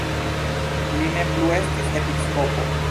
Li ne plu estis episkopo.